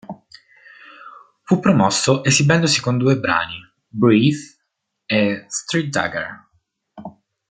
Fu promosso esibendosi con due brani, "Breathe" e "St:Dagger".